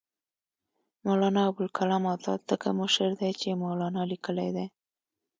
مولنا ابوالکلام آزاد ځکه مشر دی چې مولنا لیکلی دی.